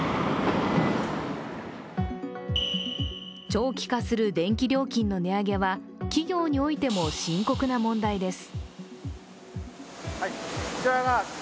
長期化する電気料金の値上げは企業においても深刻な問題です。